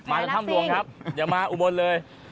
มาจะทำดวงครับเดี๋ยวมาอุบลเลย